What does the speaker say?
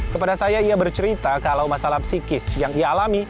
kepada saya ia bercerita kalau masalah psikis yang ia alami